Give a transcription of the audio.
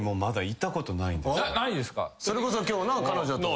それこそ今日な彼女と。